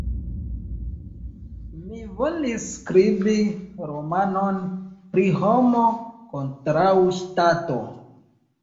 Mi volis skribi romanon pri Homo kontraŭ Ŝtato.